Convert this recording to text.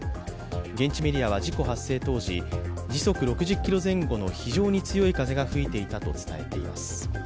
現地メディアは事故発生当時、時速６０キロ前後の非常に強い風が吹いていたと伝えています。